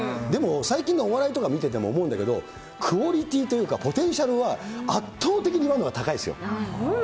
でも最近のお笑いとか見てても思うんだけど、クオリティというか、ポテンシャルは、圧倒的に今のが高いですよ。